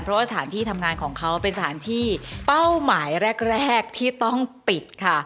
เพราะว่าสถานที่ทำงานของเขาเป็นสถานที่เป้าหมายแรกแรกที่ต้องปิดค่ะ